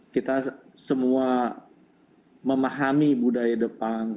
kita semua memahami budaya depan